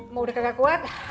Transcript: mau udah kakak kuat